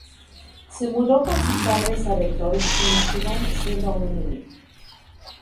Se mudó con sus padres a Detroit, Míchigan siendo aún niño.